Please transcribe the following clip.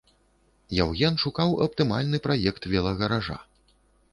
Яўген шукаў аптымальны праект велагаража.